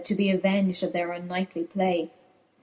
To be aveng'd of their unknightly play.